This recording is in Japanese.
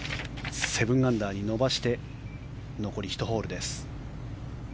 ７アンダーに伸ばして残り１ホールです。